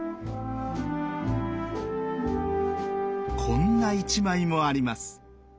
こんな一枚もあります。